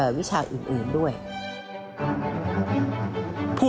ในหลวงทั้งสองพระองค์